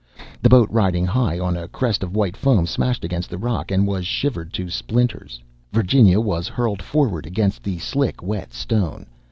The boat, riding high on a crest of white foam, smashed against the rock and was shivered to splinters. Virginia was hurled forward against the slick wet stone.